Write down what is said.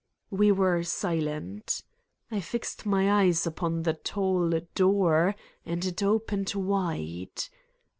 We were silent. I fixed my eyes upon the tall door and it opened wide.